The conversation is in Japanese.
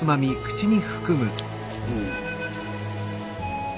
うん。